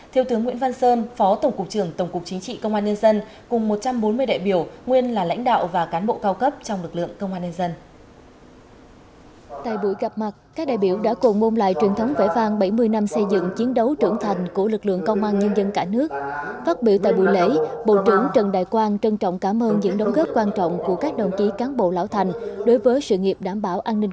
thiêu tướng nguyễn văn sơn phó tổng cục trưởng tổng cục chính trị công an nhân dân cùng một trăm bốn mươi đại biểu nguyên là lãnh đạo và cán bộ cao cấp trong lực lượng công an nhân dân